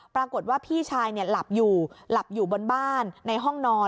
ปรากฏว่าพี่ชายหลับอยู่หลับอยู่บนบ้านในห้องนอน